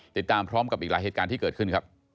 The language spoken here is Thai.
ติดตามพร้อมกับอีกหลายเหตุการณ์ที่เกิดขึ้นครับ